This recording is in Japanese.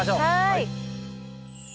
はい！